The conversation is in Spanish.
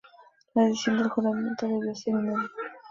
La decisión del jurado debe ser unánime.